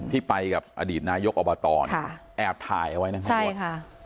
ที่ไปกับอดีตนายกอบตแอบถ่ายไว้นั่งทั้งหมด